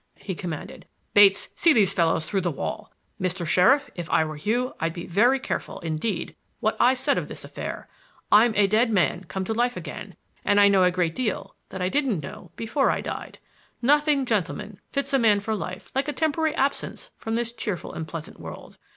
he commanded. "Bates, see these fellows through the wall. Mr. Sheriff, if I were you I'd be very careful, indeed, what I said of this affair. I'm a dead man come to life again, and I know a great deal that I didn't know before I died. Nothing, gentlemen, fits a man for life like a temporary absence from this cheerful and pleasant world.